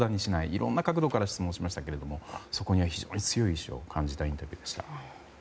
いろんな角度から質問しましたがそこには非常に強い意思を感じたインタビューでした。